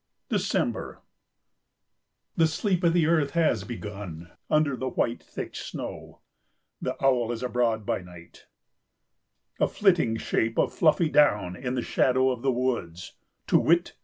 December. The sleep of the earth has begun under the white, thick snow. The Owl is abroad by night— "A flitting shape of fluffy down In the shadow of the woods, 'Tu wit!